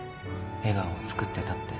笑顔をつくってたって